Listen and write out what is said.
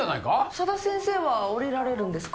佐田先生は降りられるんですか？